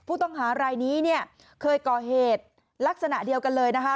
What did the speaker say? ผู้ต้องหารายนี้เนี่ยเคยก่อเหตุลักษณะเดียวกันเลยนะคะ